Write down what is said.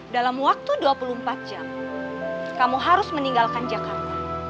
dalam waktu dua puluh empat jam kamu harus meninggalkan jakarta